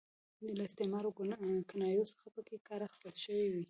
له استعارو او کنایو څخه پکې کار اخیستل شوی وي.